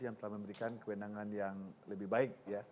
yang telah memberikan kewenangan yang lebih baik